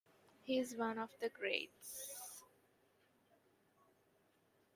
He is one of the greats.